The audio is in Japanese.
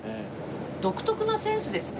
独特なセンスですね。